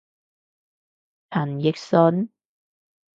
陳奕迅？